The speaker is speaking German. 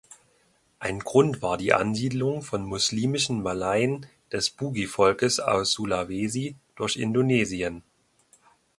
Ein Grund war die Ansiedlung von muslimischen Malaien des Bugi-Volkes aus Sulawesi durch Indonesien.